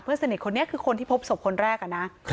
สนิทคนนี้คือคนที่พบศพคนแรกอะนะ